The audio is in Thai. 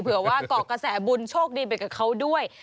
เผื่อว่าเกาะกระแสบุญโชคดีไปกับเขาด้วย